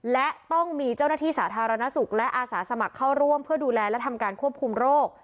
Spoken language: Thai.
และต้องมีเจ้าหน้าที่สาธารณสุขและอาสาสมัครเข้าร่วมเพื่อดูแลและทำการควบคุมโรค